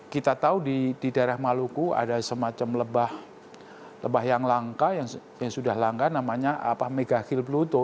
kita tahu di daerah maluku ada semacam lebah yang langka yang sudah langka namanya megakill bluto